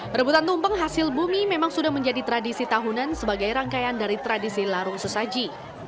rebutan tumpeng hasil bumi memang sudah menjadi tradisi tahunan sebagai rangkaian dari tradisi larung sesaji